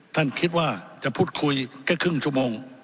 ท่านคิดว่าจะพูดคุยแค่ครึ่งชั่วโมง